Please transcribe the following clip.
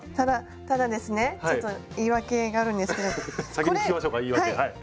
先に聞きましょうか言い訳はい。